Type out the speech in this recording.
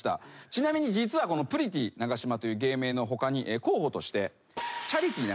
ちなみに実はプリティ長嶋という芸名の他に候補として。